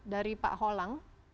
dari pak holang